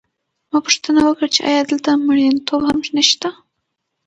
ما پوښتنه وکړه چې ایا دلته مېړنتوب هم نشته